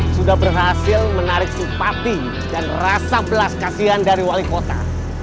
sudah berhasil menarik simpati dan rasa belas kasihan dari wali kota